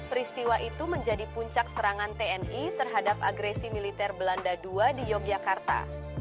peristiwa itu menjadi puncak serangan tni terhadap agresi militer belanda ii di yogyakarta